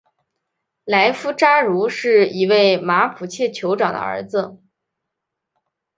莱夫扎茹是一位马普切酋长的儿子。